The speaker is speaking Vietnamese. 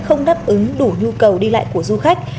không đáp ứng đủ nhu cầu đi lại của du khách